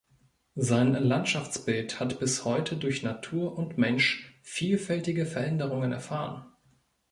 Sein Landschaftsbild hat bis heute durch Natur und Mensch vielfältige Veränderungen erfahren.